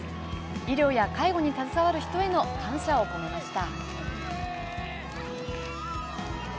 医療や介護に携わる人への感謝を込めました。